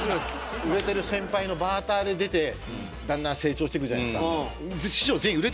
売れてる先輩のバーターで出てだんだん成長していくじゃないですか。